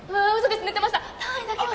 単位だけは。